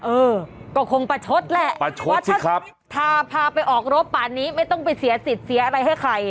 เออก็คงประชดแหละประชดเพราะถ้าพาไปออกรบป่านนี้ไม่ต้องไปเสียสิทธิ์เสียอะไรให้ใคร